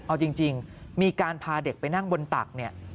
เอาจริงมีการพาเด็กไปนั่งบนตักเนี่ย